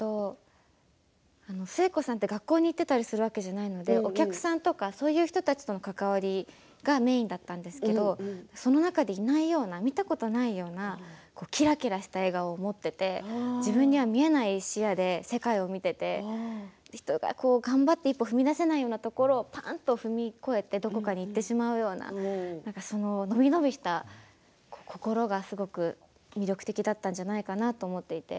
寿恵子さんは学校に行っていたりするわけではないのでお客さんとの関わりでそれがメインだったんですけどその中で見たことないようなキラキラした笑顔を持っていて自分には見えない視野で世界を見ていて人が頑張って一歩踏み出せないようなところを踏み越えてどこかに行ってしまうようなそういう伸び伸びした心がすごく魅力的だったんじゃないかなと思っています。